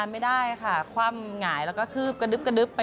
ลูกคนแรกเนอะ